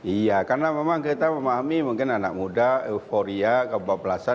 iya karena memang kita memahami mungkin anak muda euforia kebablasan